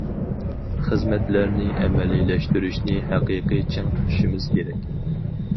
خىزمەتلەرنى ئەمەلىيلەشتۈرۈشنى ھەقىقىي چىڭ تۇتۇشىمىز كېرەك.